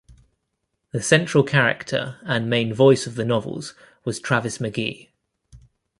The central character and main voice of the novels was Travis McGee.